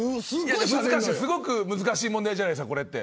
すごく難しい問題じゃないですか。